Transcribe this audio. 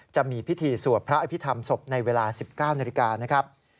จะมีพิธีสวดพระอภิษฐรรมศพในเวลา๑๙นาฬิกานะครับ